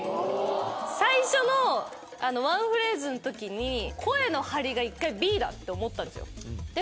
最初のワンフレーズの時に声の張りが一回Ｂだって思ったんですよで